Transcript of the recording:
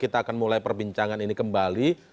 kita akan mulai perbincangan ini kembali